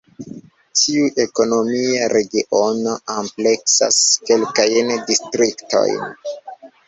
Ĉiu ekonomia regiono ampleksas kelkajn distriktojn.